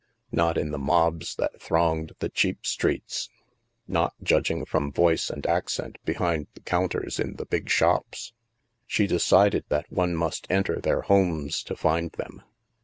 Not in the mobs that thronged the cheap streets. Not, judging from voice and ac cent, behind the counters in the big shops. She de cided that one must enter their homes to find them.